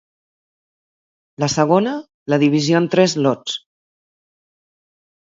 La segona, la divisió en tres lots.